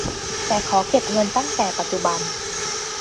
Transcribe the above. แต่ขอเก็บเงินตั้งแต่ปัจจุบัน